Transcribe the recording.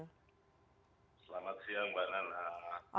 selamat siang mbak nana